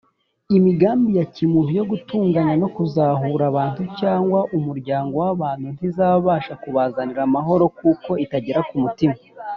imigambi ya kimuntu yo gutunganya no kuzahura abantu cyangwa umuryango w’abantu ntizabasha kubazanira amahoro kuko itagera ku mutima